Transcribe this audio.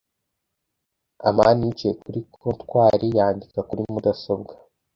amani yicaye kuri comptoir, yandika kuri mudasobwa.